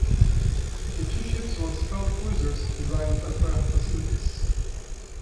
The two ships were "scout cruisers", designed with aircraft facilities.